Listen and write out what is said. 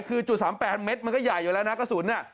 คือจุด๓๘เม็ดมันก็ใหญ่อยู่แล้วนะกระสุน